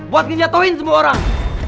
buat nginjatohin semua orang